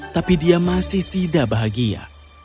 tapi dia masih tidak bahagia